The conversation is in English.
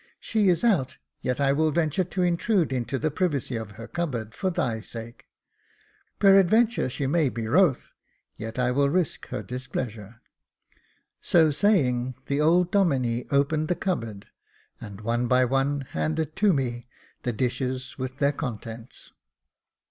She is out, yet I will venture to intrude into the privacy of her cupboard, for thy sake. Peradventure she may be wroth, yet will I risk her displeasure." So saying, the old Domine opened the cupboard, and one by one, handed to me the dishes with their contents.